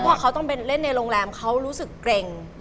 ว่าเขาต้องไปเล่นในโรงแรมเขารู้สึกเกร็ง